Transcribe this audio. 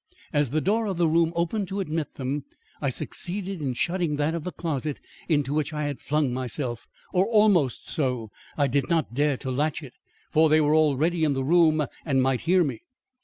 As the door of the room opened to admit them, I succeeded in shutting that of the closet into which I had flung myself, or almost so. I did not dare to latch it, for they were already in the room and might hear me.